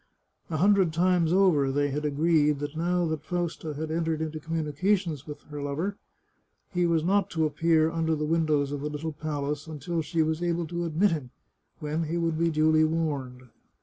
A hundred times over they had agreed that now the Fausta had entered into communication with her lover, he was not to appear under the windows of the little palace until she was able to admit him, when he would be duly warned.